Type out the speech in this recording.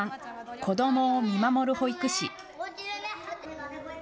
子どもを見守る保育士。